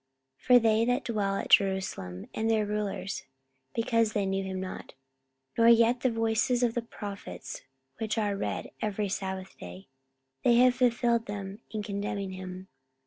44:013:027 For they that dwell at Jerusalem, and their rulers, because they knew him not, nor yet the voices of the prophets which are read every sabbath day, they have fulfilled them in condemning him.